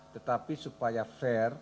tetapi supaya fair